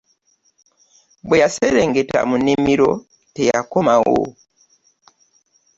Bwe yaserengeta mu nnimiro teyakomawo.